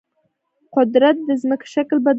قدرت د ځمکې شکل بدلوي.